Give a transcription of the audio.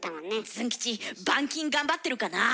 ズン吉板金頑張ってるかなあ。